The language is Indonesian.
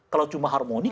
kalau cuma harmoni